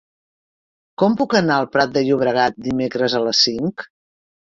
Com puc anar al Prat de Llobregat dimecres a les cinc?